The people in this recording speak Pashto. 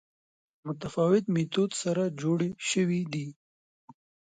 متفاوت میتود سره جوړې شوې دي